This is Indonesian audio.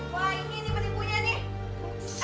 wah ini penipunya nih